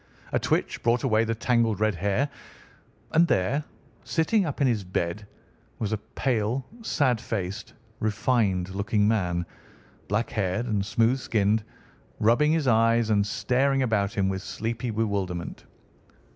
A twitch brought away the tangled red hair, and there, sitting up in his bed, was a pale, sad faced, refined looking man, black haired and smooth skinned, rubbing his eyes and staring about him with sleepy bewilderment.